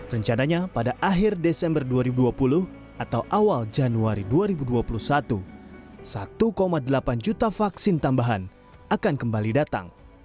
rencananya pada akhir desember dua ribu dua puluh atau awal januari dua ribu dua puluh satu satu delapan juta vaksin tambahan akan kembali datang